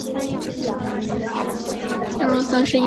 乾隆三十一年进士。